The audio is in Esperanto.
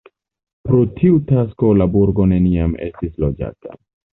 Pro tiu tasko la burgo neniam estis loĝata.